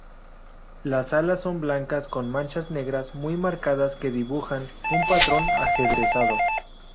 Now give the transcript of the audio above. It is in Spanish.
Las alas son blancas con manchas negras muy marcadas que dibujan un patrón ajedrezado.